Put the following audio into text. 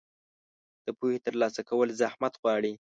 د پوهې ترلاسه کول زحمت غواړي.